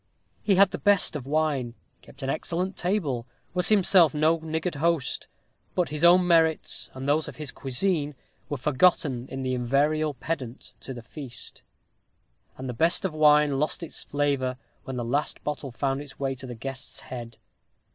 He had the best of wine; kept an excellent table; was himself no niggard host; but his own merits, and those of his cuisine, were forgotten in the invariable pendant to the feast; and the best of wine lost its flavor when the last bottle found its way to the guest's head.